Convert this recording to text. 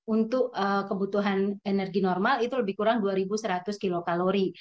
untuk kebutuhan energi normal itu lebih kurang dua seratus kilokalori